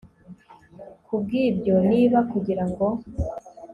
ku bw ibyo niba kugira ngo